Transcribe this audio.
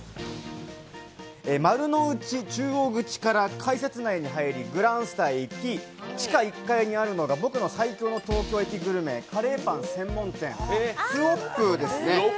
丸の内中央口から改札内に入り、グランスタへ行き地下１階にあるのが僕の最強の東京駅グルメカレーパン専門店Ｚｏｐｆですね。